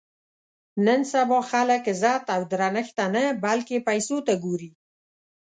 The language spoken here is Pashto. نن سبا خلک عزت او درنښت ته نه بلکې پیسو ته ګوري.